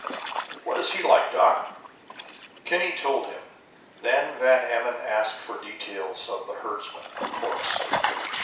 What is he like, doc?" Kinney told him, and then Van Emmon asked for details of the herdsman, Corrus.